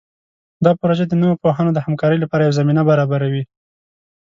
دا پروژه د نوو پوهانو د همکارۍ لپاره یوه زمینه برابروي.